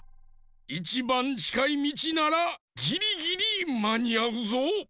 いちばんちかいみちならぎりぎりまにあうぞ。